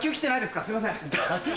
すいません。